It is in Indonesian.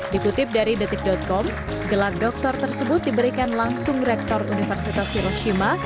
dikutip dari detik com gelar doktor tersebut diberikan langsung rektor universitas hiroshima